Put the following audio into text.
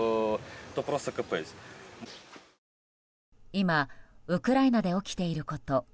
今、ウクライナで起きていること。